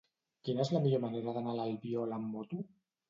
Quina és la millor manera d'anar a l'Albiol amb moto?